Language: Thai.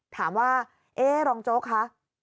ถามว่าเอ๊ะรองโจ๊กคะ